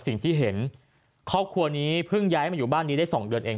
สิ่งที่เห็นครอบครัวนี้เพิ่งย้ายมาอยู่บ้านนี้ได้๒เดือนเอง